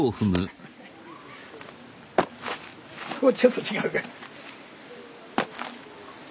ここはちょっと違うか。